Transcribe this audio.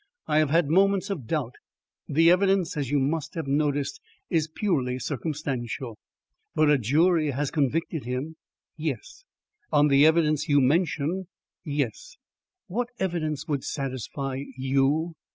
I have had moments of doubt. The evidence, as you must have noticed, is purely circumstantial." "But a jury has convicted him." "Yes." "On the evidence you mention?" "Yes." "What evidence would satisfy YOU?